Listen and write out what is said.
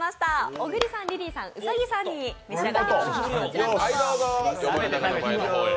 小栗さん、リリーさん、兎さんに召し上がっていただきます。